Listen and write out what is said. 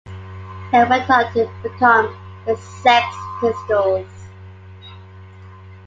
They went on to become "The Sex Pistols".